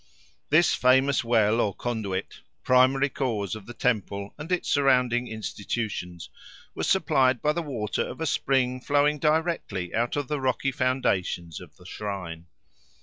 This famous well or conduit, primary cause of the temple and its surrounding institutions, was supplied by the water of a spring flowing directly out of the rocky foundations of the shrine.